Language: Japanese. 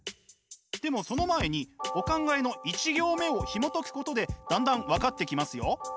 でもその前にお考えの１行目をひもとくことでだんだん分かってきますよ。